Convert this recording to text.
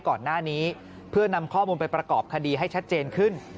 ก่อนหน้านี้เพื่อนำข้อมูลไปประกอบคดีให้ชัดเจนขึ้น